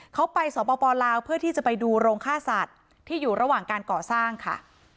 เขาไปสปลาวเพื่อที่จะไปดูโรงฆ่าสัตว์ที่อยู่ระหว่างการก่อสร้างค่ะ